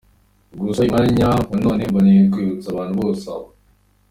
Gusa uyu mwanya wa none mboneye ho kwibutsa Abantu bose aho